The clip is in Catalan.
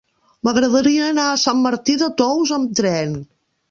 M'agradaria anar a Sant Martí de Tous amb tren.